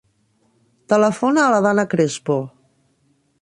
Telefona a la Dana Crespo.